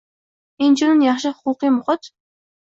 Inchunun, yaxshi huquqiy muhit